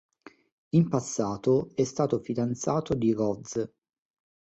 In passato è stato fidanzato di Roz.